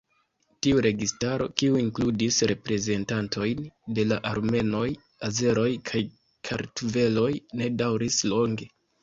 Tiu registaro, kiu inkludis reprezentantojn de la armenoj, azeroj kaj kartveloj ne daŭris longe.